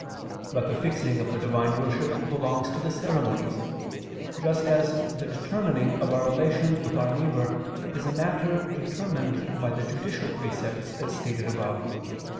But the fixing of the divine worship belongs to the ceremonies; just as the determining of our relations with our neighbor is a matter determined by the judicial precepts, as stated above (Q.